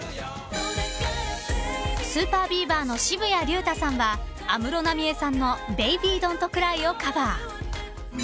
［ＳＵＰＥＲＢＥＡＶＥＲの渋谷龍太さんは安室奈美恵さんの『ＢａｂｙＤｏｎ’ｔＣｒｙ』をカバー］